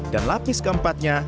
dan lapis keempatnya